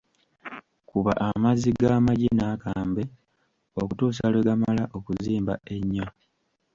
Kuba amazzi g'amagi n'akambe okutuusa lwe gamala okuzimba ennyo.